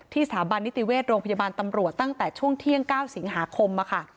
สถาบันนิติเวชโรงพยาบาลตำรวจตั้งแต่ช่วงเที่ยง๙สิงหาคม